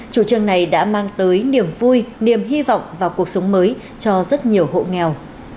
chủ trương này đã mang tới niềm vui niềm hy vọng vào cuộc sống mới cho rất nhiều hộ nghèo